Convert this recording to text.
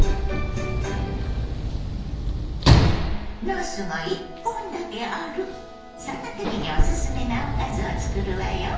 なすが１本だけあるそんな時にオススメなおかずを作るわよ。